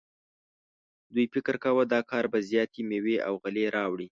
دوی فکر کاوه دا کار به زیاتې میوې او غلې راوړي.